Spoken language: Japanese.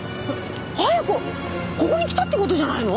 亜矢子ここに来たって事じゃないの？